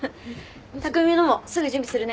匠のもすぐ準備するね。